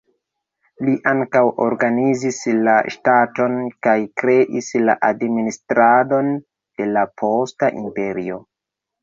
Li ankaŭ organizis la ŝtaton, kaj kreis la administradon de la posta imperio.